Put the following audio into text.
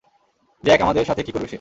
Jack, আমাদের সাথে কী করবে সে?